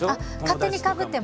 勝手にかぶってる！